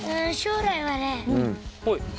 はい。